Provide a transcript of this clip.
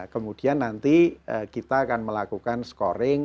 kemudian nanti kita akan melakukan scoring